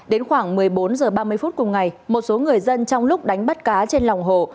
đến khoảng một mươi bốn h ba mươi phút cùng ngày một số người dân trong lúc đánh bắt cá trên lòng hồ